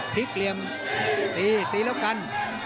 พลิกเหลี่ยมตีแล้วกัน